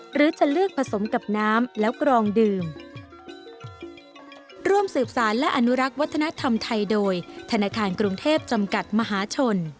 หรือจะเลือกผสมกับน้ำแล้วกรองดื่มร่วมสืบสารและอนุรักษ์วัฒนธรรมไทยโดยธนาคารกรุงเทพจำกัดมหาชน